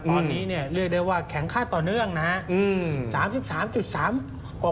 ตอนนี้เนี่ยเรียกได้ว่าแข็งค่าต่อเนื่องนะฮะ